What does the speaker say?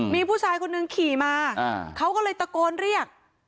มีผู้ชายคนหนึ่งขี่มาเขาก็เลยตะโกนเรียก